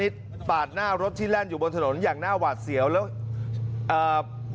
ปาดหน้ารถที่แล่นอยู่บนถนนอย่างหน้าหวาดเสียวแล้วเอ่อ